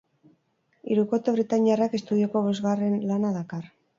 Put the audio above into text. Hirukote britainiarrak estudioko bosgarren lana dakar.